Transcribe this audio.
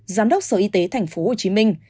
giám đốc sở y tế thành phố hồ chí minh